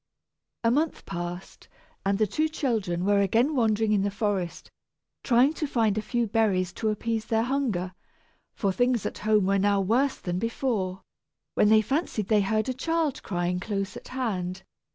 A month passed, and the two children were again wandering in the forest trying to find a few berries to appease their hunger (for things at home were now worse than before), when they fancied they heard a child crying close at hand.